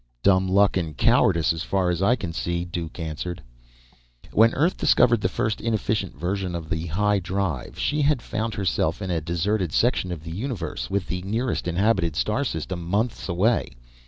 "Dumb luck and cowardice, as far as I can see," Duke answered. When Earth discovered the first inefficient version of the high drive, she had found herself in a deserted section of the universe, with the nearest inhabited star system months away.